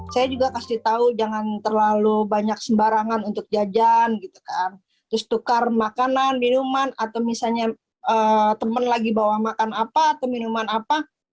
saya juga kasih tahu jangan terlalu banyak sembarangan untuk jajan gitu kan terus tukar makanan minuman atau misalnya teman lagi bawa makan apa atau minuman apa